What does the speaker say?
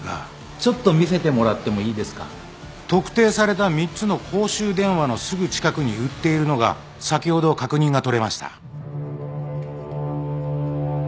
ちょっと見せてもらってもいいですか？特定された３つの公衆電話のすぐ近くに売っているのが先ほど確認が取れました。